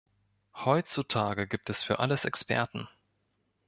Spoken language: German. Heutzutage gibt es für alles Experten.